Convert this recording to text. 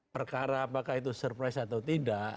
perkara apakah itu surprise atau tidak